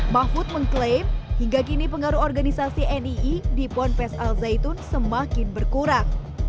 mahfud mengklaim hingga kini pengaruh organisasi nii di ponpes al zaitun semakin berkurang